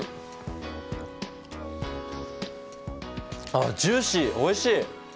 あジューシーおいしい！